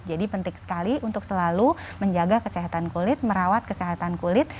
jadi penting sekali untuk selalu menjaga kesehatan kulit merawat kesehatan kulit